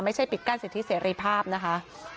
ไม่ใช่ปิดกั้นสิทธิเสรีภาพนะคะ